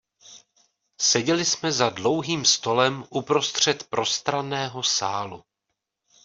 Seděli jsme za dlouhým stolem uprostřed prostranného sálu.